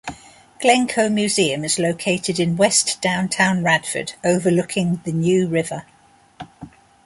Glencoe Museum is located in west downtown Radford overlooking the New River.